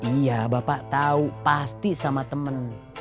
iya bapak tahu pasti sama temen